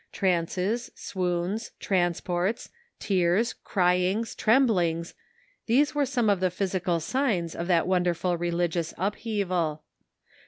Trances, swoons, transports, tears, cryings, tremblings — these were some of the physical signs of that wonderful religious upheaval.